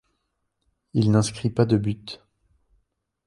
Il n’inscrit pas de but.